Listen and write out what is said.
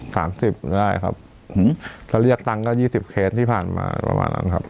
สามสิบได้ครับถ้าเรียกตังค์ก็ยี่สิบเคสที่ผ่านมาประมาณนั้นครับ